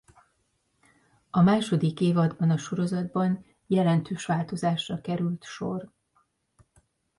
A második évadban a sorozatban jelentős változásra került sor.